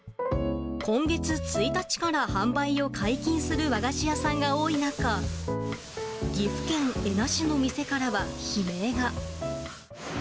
今月１日から販売を解禁する和菓子屋さんが多い中、岐阜県恵那市の店からは悲鳴が。